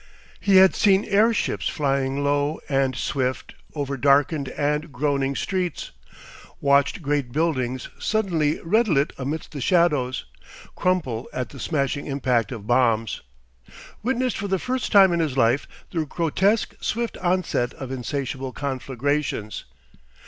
He had seen airships flying low and swift over darkened and groaning streets; watched great buildings, suddenly red lit amidst the shadows, crumple at the smashing impact of bombs; witnessed for the first time in his life the grotesque, swift onset of insatiable conflagrations.